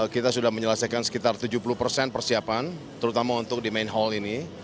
kita sudah menyelesaikan sekitar tujuh puluh persen persiapan terutama untuk di main hall ini